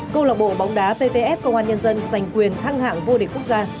câu lạc bộ bóng đá pvf công an nhân dân giành quyền thăng hạng phô địch quốc gia